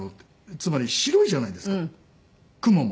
つまり白いじゃないですか雲も。